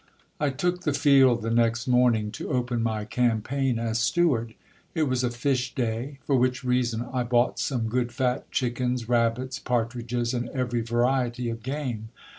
I TOOK the field the next morning, to open my campaign as steward. It was a fish day ; for which reason I bought some good fat chickens, rabbits, par tridges, and every variety of game.